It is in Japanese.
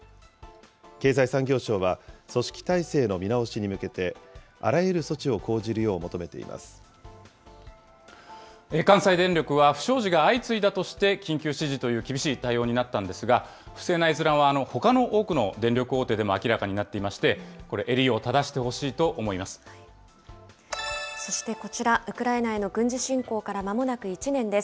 経済産業省は、組織体制の見直しに向けて、あらゆる措置を講じる関西電力は、不祥事が相次いだとして、緊急指示という厳しい対応になったんですが、不正な閲覧は、ほかの多くの電力大手でも明らかになっていまして、これ、そしてこちら、ウクライナへの軍事侵攻からまもなく１年です。